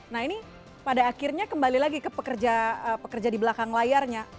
nah ini pada akhirnya kembali lagi ke pekerja di belakang layarnya